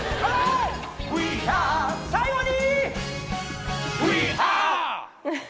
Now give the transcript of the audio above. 最後に！